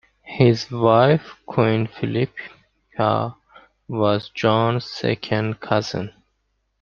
His wife, Queen Philippa, was Joan's second cousin.